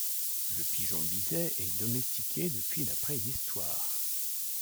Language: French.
Le pigeon biset est domestiqué depuis la préhistoire.